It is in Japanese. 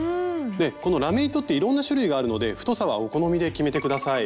このラメ糸っていろんな種類があるので太さはお好みで決めて下さい。